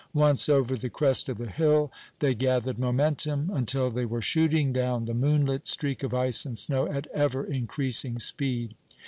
Once over the crest of the hill they gathered momentum, until they were shooting down the moonlit streak of ice and snow at ever increasing speed.